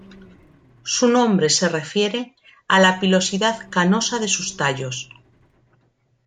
Su nombre se refiere a la pilosidad canosa de sus tallos.